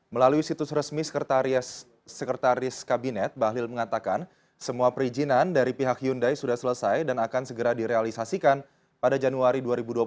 melalui situs resmi sekretaris kabinet bahlil mengatakan semua perizinan dari pihak hyundai sudah selesai dan akan segera direalisasikan pada januari dua ribu dua puluh satu